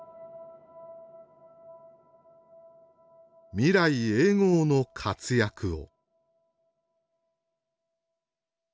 「未来永劫の活躍を」。